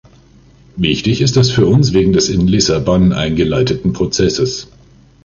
Wichtig ist das für uns wegen des in Lissabon eingeleiteten Prozesses.